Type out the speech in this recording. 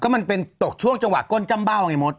มันเป็นตกช่วงจังหวะก้นจ้ำเบ้าไงมด